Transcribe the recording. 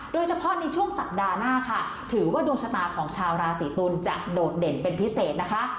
โดยเฉพาะในช่วงสัปดาห์หน้าค่ะถือว่าดวงชะตาของชาวราศีตุลจะโดดเด่นเป็นพิเศษนะคะ